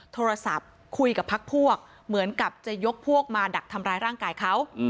โทรศัพท์คุยกับพักพวกเหมือนกับจะยกพวกมาดักทำร้ายร่างกายเขา